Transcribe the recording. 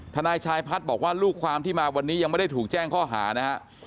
ทนายชายพัฒน์บอกว่าลูกความที่มาวันนี้ยังไม่ได้ถูกแจ้งข้อหานะฮะ